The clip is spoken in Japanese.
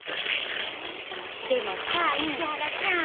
でもさ石原ちゃん。